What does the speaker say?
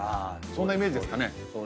そんなイメージですかね。